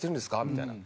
みたいな。